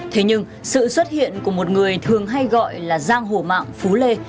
thế nhưng sự xuất hiện của một người thường hay gọi là giang hổ mạng phú lê